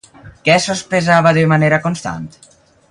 Què sospesava de manera constant?